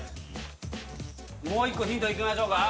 もう１個ヒントいきましょうか？